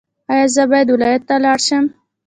ایا زه باید ولایت ته لاړ شم؟